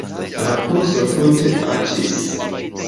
La kurso tute aĉis.